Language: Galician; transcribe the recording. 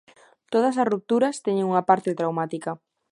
Todas as rupturas teñen unha parte traumática.